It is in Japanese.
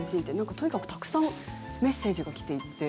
とにかくたくさんメッセージがきています。